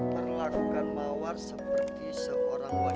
perlakukan mawar seperti seorang wanita